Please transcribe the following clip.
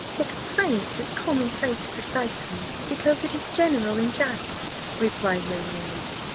"The complaint is common place precisely because it is general and just," replied Lady Anne.